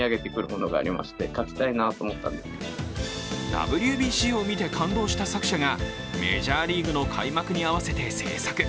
ＷＢＣを見て感動した作者がメジャーリーグの開幕に合わせて制作。